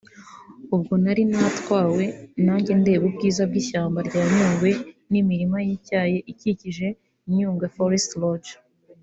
ubwo nari natwawe najye ndeba ubwiza bw’ishyamba rya nyungwe n’imirima y’icyayi ikikije Nyungwe Forest Loge